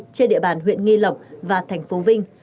trên địa bàn huyện nghi lộc và thành phố vinh